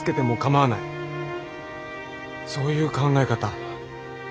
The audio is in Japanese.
そういう考え方